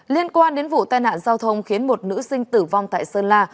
liên quan đến vụ tai nạn giao thông khiến một nữ sinh tử vong tại sơn la